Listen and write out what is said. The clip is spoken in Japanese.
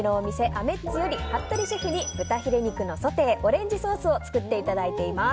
アメッツより服部シェフに豚ヒレ肉のソテーオレンジソースを作っていただいています。